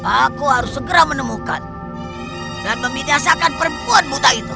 aku harus segera menemukan dan membinasakan perempuan buta itu